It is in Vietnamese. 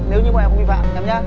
nếu như bọn em không bị phạm nhé